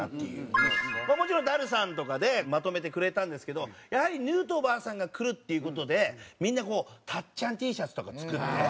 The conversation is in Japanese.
もちろんダルさんとかでまとめてくれたんですけどやはりヌートバーさんが来るっていう事でみんなこうたっちゃんＴシャツとか作って。